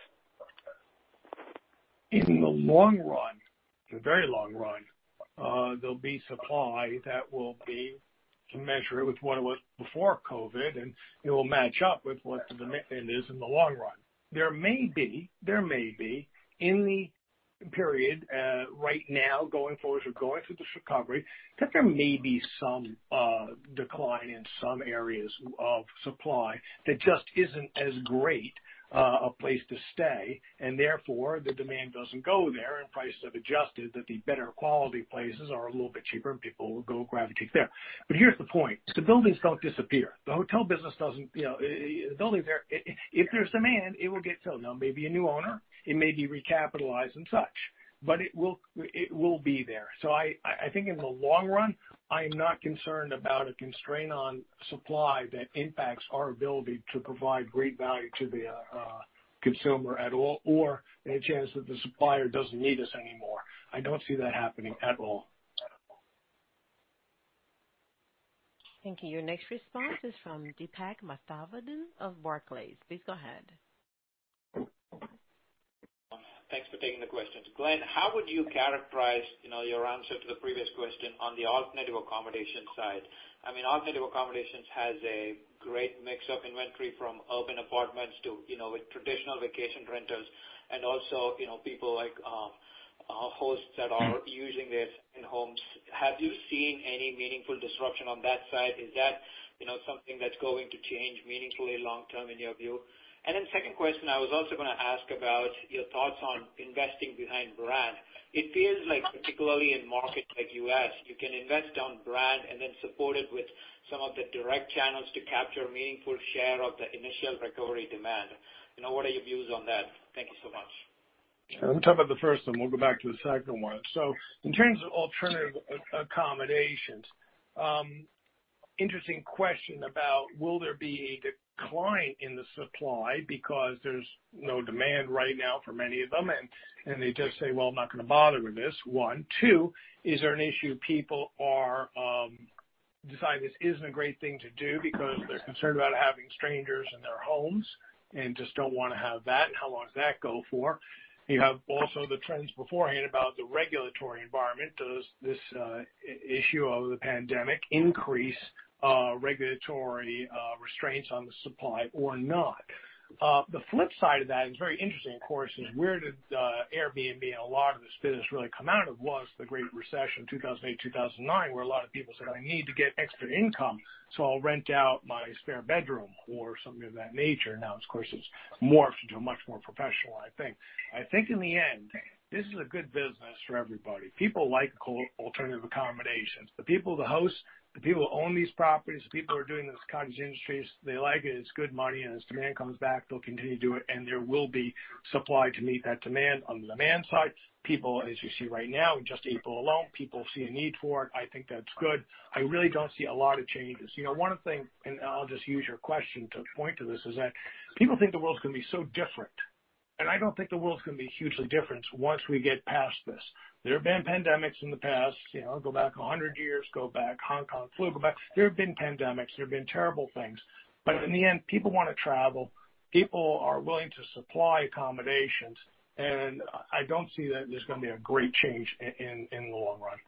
In the long run, the very long run, there'll be supply that will be to measure with what it was before COVID, and it will match up with what the demand is in the long run. There may be in the period right now, going forward or going through this recovery, that there may be some decline in some areas of supply that just isn't as great a place to stay, and therefore the demand doesn't go there and prices have adjusted that the better quality places are a little bit cheaper and people will go gravitate there. Here's the point, the buildings don't disappear. The building's there. If there's demand, it will get sold. Now, it may be a new owner, it may be recapitalized and such, it will be there. I think in the long run, I am not concerned about a constraint on supply that impacts our ability to provide great value to the consumer at all or any chance that the supplier doesn't need us anymore. I don't see that happening at all. Thank you. Your next response is from Deepak Mathivanan of Barclays. Please go ahead. Thanks for taking the questions. Glenn, how would you characterize your answer to the previous question on the alternative accommodation side? Alternative accommodations has a great mix of inventory from urban apartments to traditional vacation rentals and also people like hosts that are using this in homes. Have you seen any meaningful disruption on that side? Is that something that's going to change meaningfully long term in your view? Second question, I was also going to ask about your thoughts on investing behind brand. It feels like particularly in markets like U.S., you can invest on brand and then support it with some of the direct channels to capture a meaningful share of the initial recovery demand. What are your views on that? Thank you so much. Let me talk about the first one. We'll go back to the second one. In terms of alternative accommodations, interesting question about will there be a decline in the supply because there's no demand right now for many of them, and they just say, "Well, I'm not going to bother with this one." Two, is there an issue people are deciding this isn't a great thing to do because they're concerned about having strangers in their homes and just don't want to have that and how long does that go for? You have also the trends beforehand about the regulatory environment. Does this issue of the pandemic increase regulatory restraints on the supply or not? The flip side of that is very interesting, of course, is where did Airbnb and a lot of this business really come out of was the Great Recession 2008, 2009, where a lot of people said, "I need to get extra income, so I'll rent out my spare bedroom" or something of that nature. Of course, it's morphed into a much more professionalized thing. I think in the end, this is a good business for everybody. People like alternative accommodations. The people, the hosts, the people who own these properties, the people who are doing this cottage industries, they like it. It's good money, and as demand comes back, they'll continue to do it, and there will be supply to meet that demand. On the demand side, people, as you see right now in just April alone, people see a need for it. I think that's good. I really don't see a lot of changes. One of the things, I'll just use your question to point to this, is that people think the world's going to be so different. I don't think the world's going to be hugely different once we get past this. There have been pandemics in the past, go back 100 years, go back, Hong Kong Flu, go back. There have been pandemics, there have been terrible things. In the end, people want to travel. People are willing to supply accommodations. I don't see that there's going to be a great change in the long run.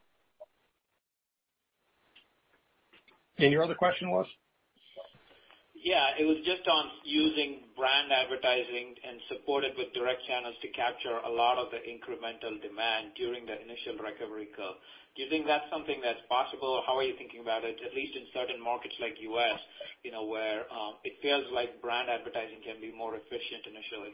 Your other question was? Yeah, it was just on using brand advertising and supported with direct channels to capture a lot of the incremental demand during the initial recovery curve. Do you think that's something that's possible? How are you thinking about it, at least in certain markets like U.S., where it feels like brand advertising can be more efficient initially?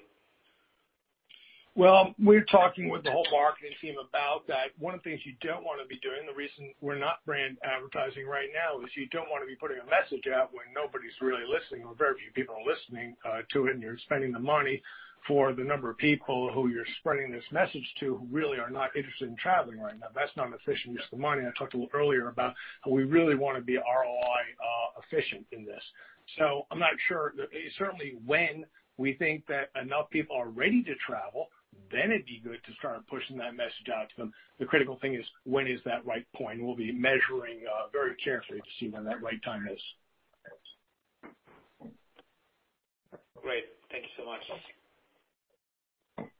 Well, we're talking with the whole marketing team about that. One of the things you don't want to be doing, the reason we're not brand advertising right now is you don't want to be putting a message out when nobody's really listening or very few people are listening to it, and you're spending the money for the number of people who you're spreading this message to, who really are not interested in traveling right now. That's not an efficient use of money. I talked a little earlier about how we really want to be ROI efficient in this. I'm not sure. Certainly, when we think that enough people are ready to travel, then it'd be good to start pushing that message out to them. The critical thing is, when is that right point? We'll be measuring very carefully to see when that right time is. Great. Thank you so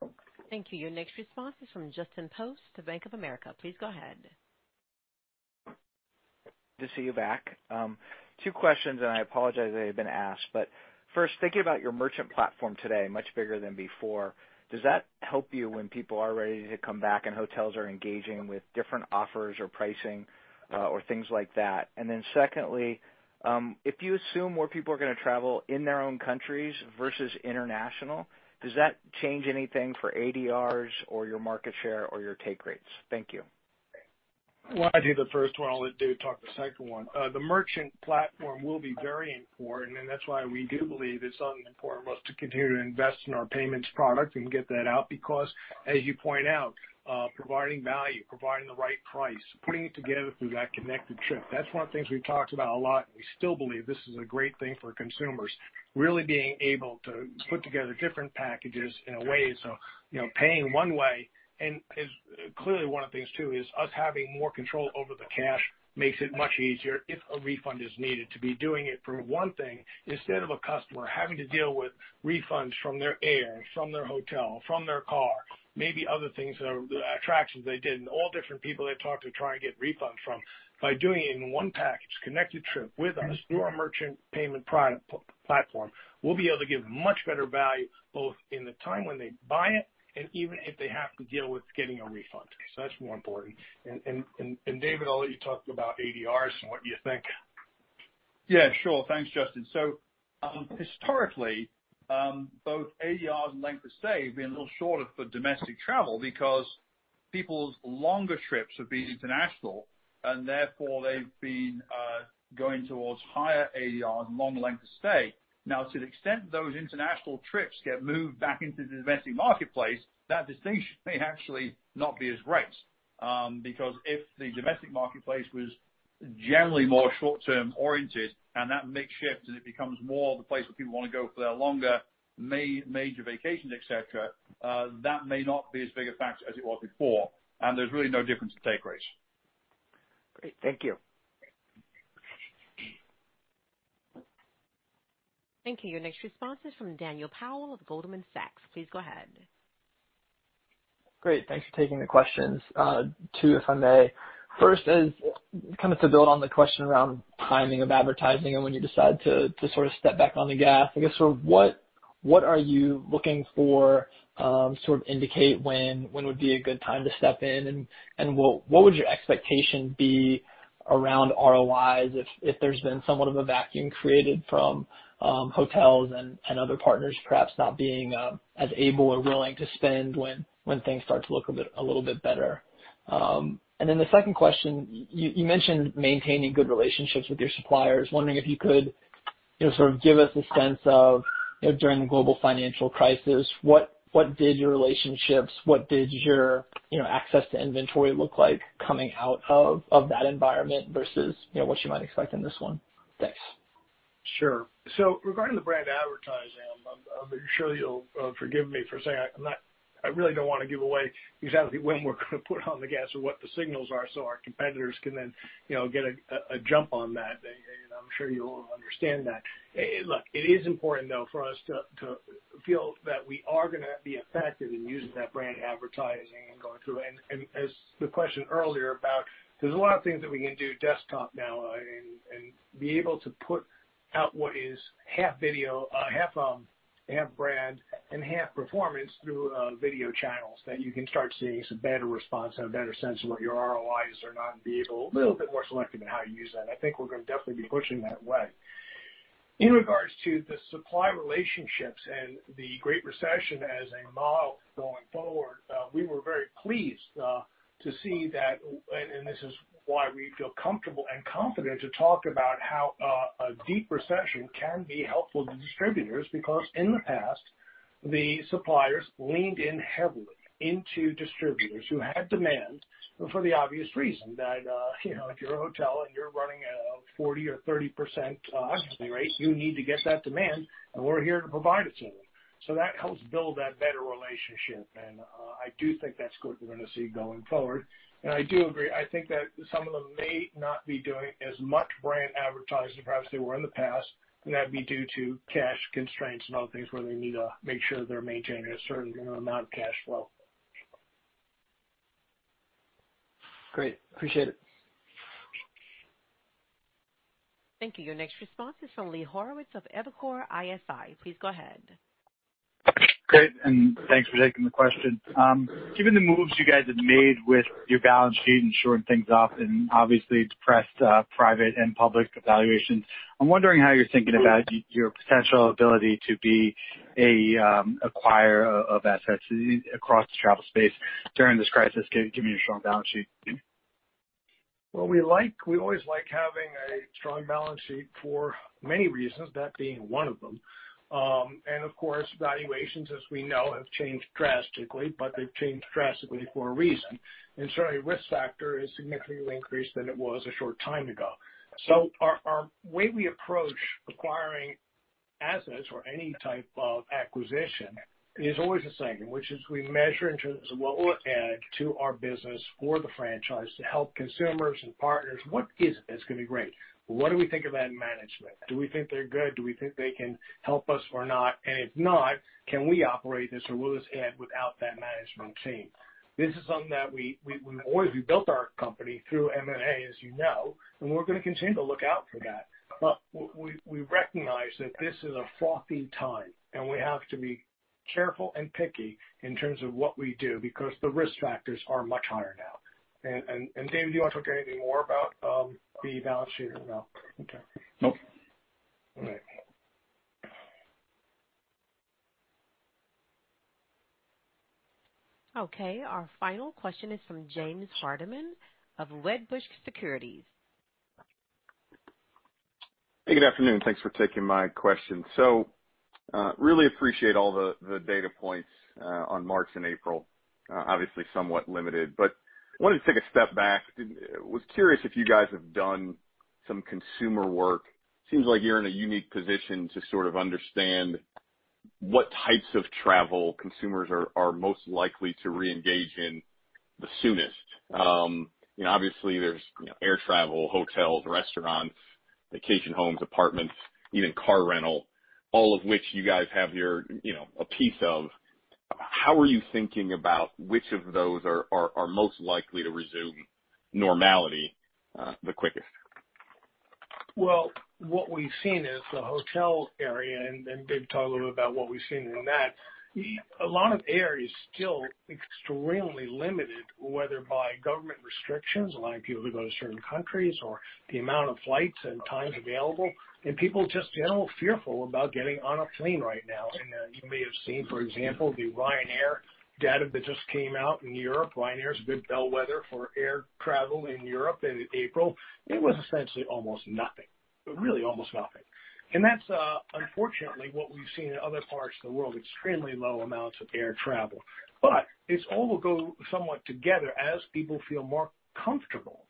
much. Thank you. Your next response is from Justin Post of Bank of America. Please go ahead. Good to see you back. Two questions, and I apologize if they have been asked, but first, thinking about your merchant platform today, much bigger than before, does that help you when people are ready to come back and hotels are engaging with different offers or pricing or things like that? Then secondly, if you assume more people are going to travel in their own countries versus international, does that change anything for ADRs or your market share or your take rates? Thank you. Well, I'll do the first one. I'll let Dave talk the second one. The merchant platform will be very important, and that's why we do believe it's important for us to continue to invest in our payments product and get that out. Because, as you point out, providing value, providing the right price, putting it together through that connected trip, that's one of the things we've talked about a lot, and we still believe this is a great thing for consumers. Really being able to put together different packages in a way, paying one way and is clearly one of the things too, is us having more control over the cash makes it much easier if a refund is needed to be doing it for one thing, instead of a customer having to deal with refunds from their air, from their hotel, from their car, maybe other things, attractions they did, and all different people they talked to try and get refunds from. By doing it in one package, connected trip with us through our merchant payment platform, we'll be able to give much better value, both in the time when they buy it and even if they have to deal with getting a refund. That's more important. David, I'll let you talk about ADRs and what you think. Yeah, sure. Thanks, Justin. Historically, both ADRs and length of stay have been a little shorter for domestic travel because people's longer trips have been international, and therefore they've been going towards higher ADR and longer length of stay. To the extent those international trips get moved back into the domestic marketplace, that distinction may actually not be as great. If the domestic marketplace was generally more short-term oriented and that may shift as it becomes more the place where people want to go for their longer major vacations, et cetera, that may not be as big a factor as it was before, and there's really no difference in take rates. Great. Thank you. Thank you. Your next response is from Daniel Powell of Goldman Sachs. Please go ahead. Great. Thanks for taking the questions. Two, if I may. First is to build on the question around timing of advertising and when you decide to sort of step back on the gas. I guess, what are you looking for, sort of indicate when would be a good time to step in, and what would your expectation be around ROIs if there's been somewhat of a vacuum created from hotels and other partners perhaps not being as able or willing to spend when things start to look a little bit better? The second question, you mentioned maintaining good relationships with your suppliers. Wondering if you could sort of give us a sense of, during the global financial crisis, what did your relationships, what did your access to inventory look like coming out of that environment versus what you might expect in this one? Thanks. Sure. Regarding the brand advertising, I'm sure you'll forgive me for saying I really don't want to give away exactly when we're going to put on the gas or what the signals are so our competitors can then get a jump on that. I'm sure you'll understand that. Look, it is important, though, for us to feel that we are going to be effective in using that brand advertising and going through. As the question earlier about there's a lot of things that we can do desktop now and be able to put out what is half video, half brand, and half performance through video channels that you can start seeing some better response and a better sense of what your ROI are not and be able, a little bit more selective in how you use that. I think we're going to definitely be pushing that way. In regards to the supply relationships and the Great Recession as a model going forward, we were very pleased to see that, and this is why we feel comfortable and confident to talk about how a deep recession can be helpful to distributors, because in the past, the suppliers leaned in heavily into distributors who had demand for the obvious reason that if you're a hotel and you're running a 40% or 30% occupancy rate, you need to get that demand, and we're here to provide it to them. That helps build that better relationship, and I do think that's what we're going to see going forward. I do agree, I think that some of them may not be doing as much brand advertising perhaps they were in the past, and that'd be due to cash constraints and other things where they need to make sure they're maintaining a certain amount of cash flow. Great. Appreciate it. Thank you. Your next response is from Lee Horowitz of Evercore ISI. Please go ahead. Great, thanks for taking the question. Given the moves you guys have made with your balance sheet and shoring things up and obviously depressed private and public valuations, I'm wondering how you're thinking about your potential ability to be an acquirer of assets across the travel space during this crisis, given your strong balance sheet. Well, we always like having a strong balance sheet for many reasons, that being one of them. Of course, valuations, as we know, have changed drastically, but they've changed drastically for a reason. Certainly, risk factor is significantly increased than it was a short time ago. Our way we approach acquiring assets or any type of acquisition is always the same, which is we measure in terms of what will it add to our business for the franchise to help consumers and partners. What business is going to be great? What do we think of that management? Do we think they're good? Do we think they can help us or not? If not, can we operate this or will this add without that management team? This is something that we've always built our company through M&A, as you know, and we're going to continue to look out for that. We recognize that this is a frothy time, and we have to be careful and picky in terms of what we do because the risk factors are much higher now. Dave, do you want to talk anything more about the balance sheet or no? No. Okay. All right. Okay. Our final question is from James Hardiman of Wedbush Securities. Hey, good afternoon. Thanks for taking my question. Really appreciate all the data points on March and April. Obviously somewhat limited, but wanted to take a step back. I was curious if you guys have done some consumer work. Seems like you're in a unique position to sort of understand what types of travel consumers are most likely to reengage in the soonest. Obviously there's air travel, hotels, restaurants, vacation homes, apartments, even car rental, all of which you guys have a piece of. How are you thinking about which of those are most likely to resume normality the quickest? Well, what we've seen is the hotel area, and Dave talked a little bit about what we've seen in that. A lot of air is still extremely limited, whether by government restrictions, allowing people to go to certain countries or the amount of flights and times available, and people just in general fearful about getting on a plane right now. You may have seen, for example, the Ryanair data that just came out in Europe. Ryanair is a good bellwether for air travel in Europe. In April, it was essentially almost nothing. Really almost nothing. That's unfortunately what we've seen in other parts of the world, extremely low amounts of air travel. This all will go somewhat together as people feel more comfortable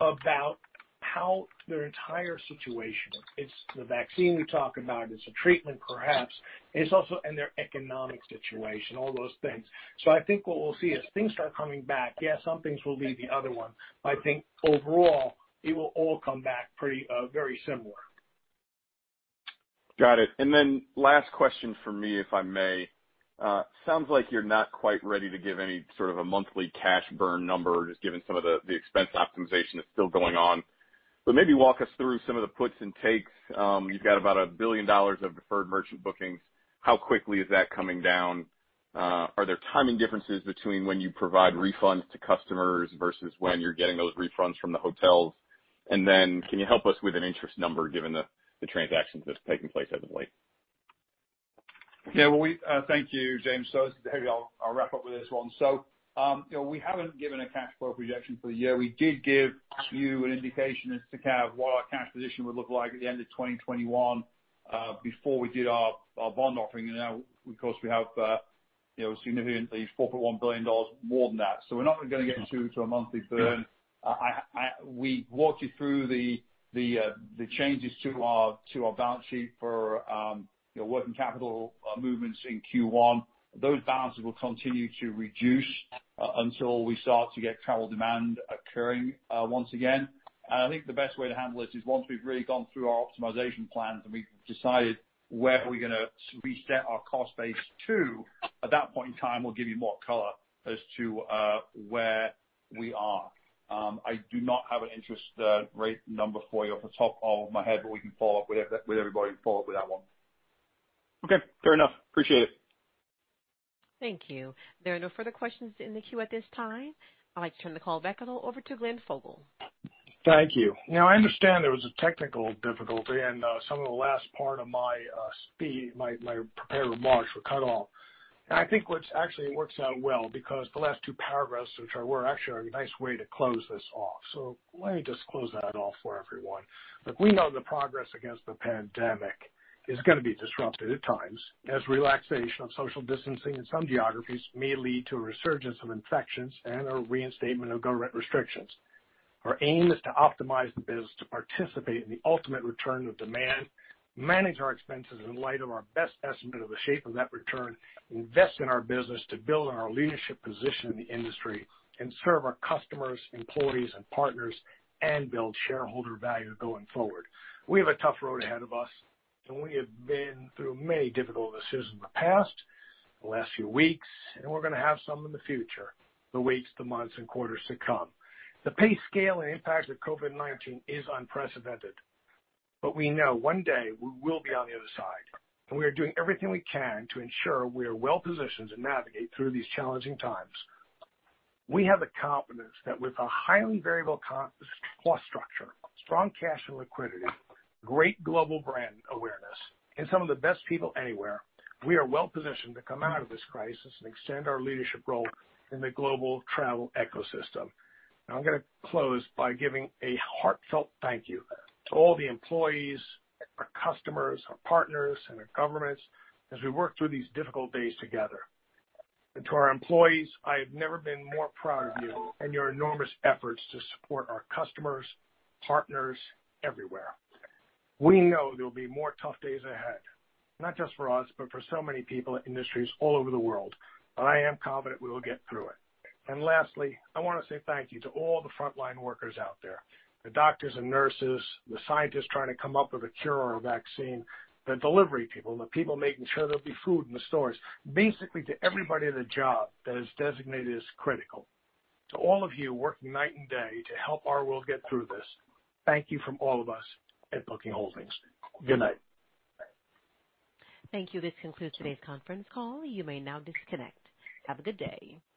about how their entire situation is. It's the vaccine we talk about, it's a treatment perhaps. It's also in their economic situation, all those things. I think what we'll see as things start coming back, yeah, some things will lead the other one. I think overall, it will all come back very similar. Got it. Last question from me, if I may. Sounds like you're not quite ready to give any sort of a monthly cash burn number, just given some of the expense optimization that's still going on. Maybe walk us through some of the puts and takes. You've got about $1 billion of deferred merchant bookings. How quickly is that coming down? Are there timing differences between when you provide refunds to customers versus when you're getting those refunds from the hotels? Then can you help us with an interest number given the transactions that have taken place as of late? Yeah. Thank you, James. I'll wrap up with this one. We haven't given a cash flow projection for the year. We did give you an indication as to kind of what our cash position would look like at the end of 2021, before we did our bond offering, and now of course, we have significantly $4.1 billion more than that. We're not going to get into a monthly burn. We walked you through the changes to our balance sheet for working capital movements in Q1. Those balances will continue to reduce until we start to get travel demand occurring once again. I think the best way to handle this is once we've really gone through our optimization plans and we've decided where we're going to reset our cost base to, at that point in time, we'll give you more color as to where we are. I do not have an interest rate number for you off the top of my head. We can follow up with everybody and follow up with that one. Okay, fair enough. Appreciate it. Thank you. There are no further questions in the queue at this time. I'd like to turn the call back over to Glenn Fogel. Thank you. I understand there was a technical difficulty and some of the last part of my prepared remarks were cut off. I think which actually works out well because the last two paragraphs, which were actually a nice way to close this off. Let me just close that off for everyone. Look, we know the progress against the pandemic is going to be disrupted at times as relaxation of social distancing in some geographies may lead to a resurgence of infections and a reinstatement of government restrictions. Our aim is to optimize the business to participate in the ultimate return of demand, manage our expenses in light of our best estimate of the shape of that return, invest in our business to build on our leadership position in the industry, and serve our customers, employees, and partners, and build shareholder value going forward. We have a tough road ahead of us, and we have been through many difficult decisions in the past, the last few weeks, and we're going to have some in the future, the weeks, the months, and quarters to come. The pace, scale, and impact of COVID-19 is unprecedented. We know one day we will be on the other side, and we are doing everything we can to ensure we are well-positioned to navigate through these challenging times. We have the confidence that with a highly variable cost structure, strong cash and liquidity, great global brand awareness, and some of the best people anywhere, we are well-positioned to come out of this crisis and extend our leadership role in the global travel ecosystem. Now, I'm going to close by giving a heartfelt thank you to all the employees, our customers, our partners, and our governments, as we work through these difficult days together. To our employees, I have never been more proud of you and your enormous efforts to support our customers, partners everywhere. We know there will be more tough days ahead, not just for us, but for so many people and industries all over the world, but I am confident we will get through it. Lastly, I want to say thank you to all the frontline workers out there, the doctors and nurses, the scientists trying to come up with a cure or a vaccine, the delivery people, and the people making sure there'll be food in the stores. Basically, to everybody at their job that is designated as critical. To all of you working night and day to help our world get through this, thank you from all of us at Booking Holdings. Good night. Thank you. This concludes today's conference call. You may now disconnect. Have a good day.